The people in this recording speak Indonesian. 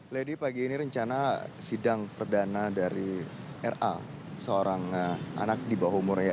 jadi pagi ini rencana sidang perdana dari ra seorang anak di bawah umurnya